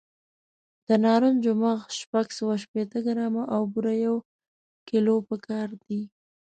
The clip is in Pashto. د نارنجو مغز شپږ سوه شپېته ګرامه او بوره یو کیلو پکار دي.